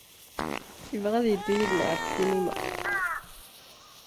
Yebɣa ad yeddu yid-neɣ ɣer ssinima.